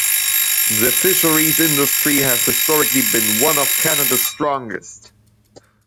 The fisheries industry has historically been one of Canada's strongest.